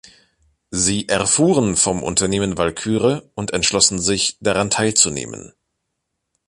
Sie erfuhren vom Unternehmen Walküre und entschlossen sich, daran teilzunehmen.